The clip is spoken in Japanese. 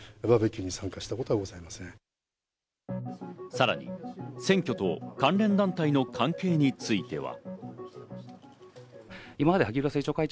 さらに選挙と関連団体の関係については。